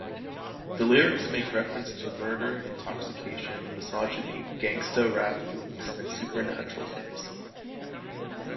The lyrics make reference to murder, intoxication, misogyny, gangsta rap themes and supernatural fantasy.